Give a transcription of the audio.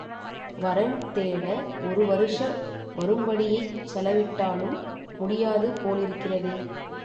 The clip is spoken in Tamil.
வரன் தேட ஒரு வருஷ வரும்படியைச் செலவிட்டாலும் முடியாது போலிருக்கிறதே.